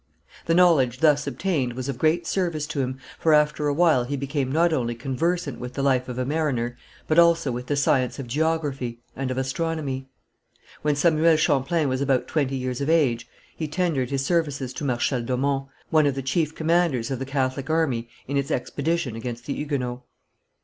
The knowledge thus obtained was of great service to him, for after a while he became not only conversant with the life of a mariner, but also with the science of geography and of astronomy. When Samuel Champlain was about twenty years of age, he tendered his services to Marshal d'Aumont, one of the chief commanders of the Catholic army in its expedition against the Huguenots.